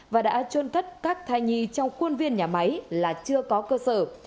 và đã trôn cất các thai nhi trong khuôn viên nhà máy là chưa có cơ sở